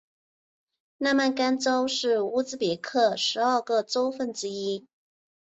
纳曼干州是乌兹别克十二个州份之一。